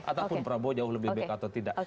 ataupun prabowo jauh lebih baik atau tidak